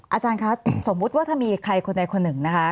อาจารย์คะสมมุติว่าถ้ามีใครคนใดคนหนึ่งนะคะ